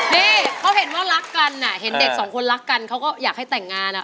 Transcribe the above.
นี่เขาเห็นว่ารักกันเห็นเด็กสองคนรักกันเขาก็อยากให้แต่งงานอ่ะ